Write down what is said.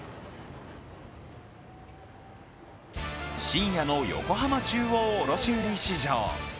深夜の横浜中央卸売市場。